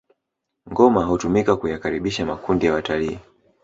ngoma hutumika kuyakaribisha makundi ya watalii